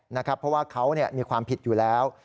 เพราะว่าเขามีความผิดอยู่แล้ว